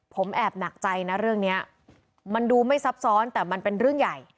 ผมแอบหนักใจนะเรื่องนี้มันดูไม่ซับซ้อนแต่มันเป็นเรื่องใหญ่